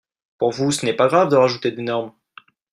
Pour vous, ce n’est pas grave de rajouter des normes